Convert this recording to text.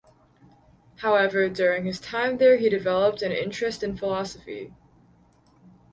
However, during his time there he developed an interest in philosophy.